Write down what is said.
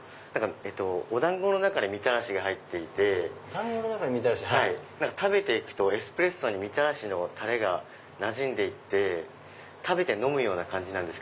お団子の中にみたらしが入っていて食べて行くとエスプレッソにみたらしのタレがなじんで食べて飲むような感じなんです。